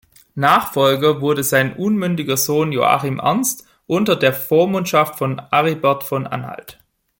Nachfolger wurde sein unmündiger Sohn Joachim Ernst unter der Vormundschaft von Aribert von Anhalt.